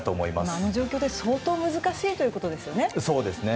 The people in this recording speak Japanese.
あの状況で相当難しいということですよね。